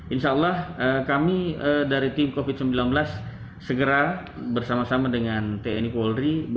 insya allah kami dari tim covid sembilan belas segera bersama sama dengan tni polri